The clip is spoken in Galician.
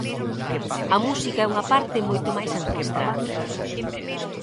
A música é unha parte moito máis ancestral.